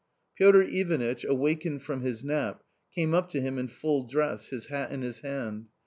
Piotr Ivanitch, awakened from his nap, came up to him in full dress, his hat in his hand.